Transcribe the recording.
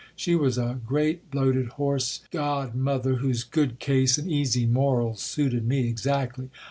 She was a great bloated horse god mother, whose good case and easy morals suited me exactly.